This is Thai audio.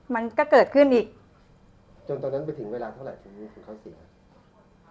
มันก็เกิดขึ้นอีกจนตอนนั้นไปถึงเวลาเท่าไหร่